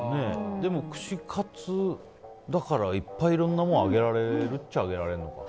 でも、串カツだからいっぱいいろんなものをあげられるっちゃあげられるのか。